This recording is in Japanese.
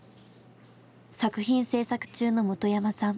作品制作中の本山さん。